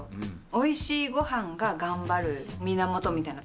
おいしいごはんが頑張る源みたいな。